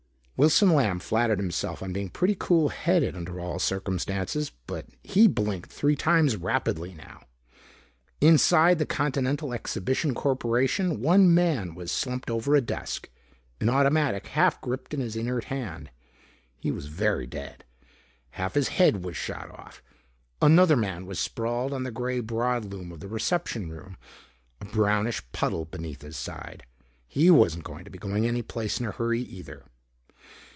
Wilson Lamb flattered himself on being pretty cool headed under all circumstances. But he blinked three times rapidly now. Inside the Continental Exhibition Corporation one man was slumped over a desk, an automatic half gripped in his inert hand. He was very dead. Half his head was shot off. Another man was sprawled on the gray broadloom of the reception room, a brownish puddle beneath his side. He wasn't going to be going any place in a hurry, either.